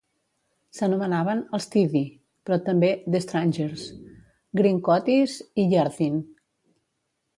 S'anomenaven "els Tiddy", però també "the Strangers", "Greencoaties" i "Yarthin".